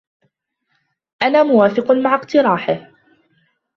أنا موافق مع اقتراحه.